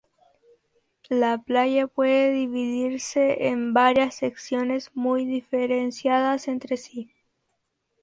La playa puede dividirse en varias secciones muy diferenciadas entre sí.